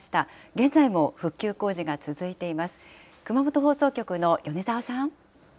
現在も復旧工事が続いています。